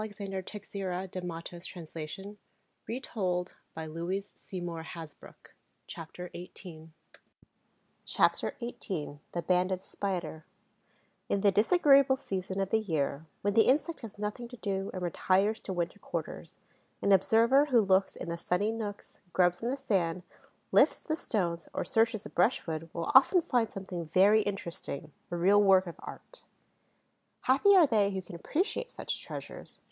In an insect, we call it instinct. Instinct is the animal's genius. CHAPTER XVIII THE BANDED SPIDER In the disagreeable season of the year, when the insect has nothing to do and retires to winter quarters, an observer who looks in the sunny nooks, grubs in the sand, lifts the stones, or searches the brushwood, will often find something very interesting, a real work of art. Happy are they who can appreciate such treasures!